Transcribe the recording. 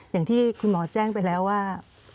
อย่างที่คุณหมอแจ้งไปแล้วว่า